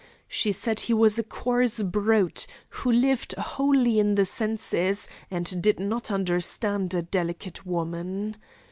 She said he was a coarse brute, who lived wholly in the senses and did not understand a delicate woman.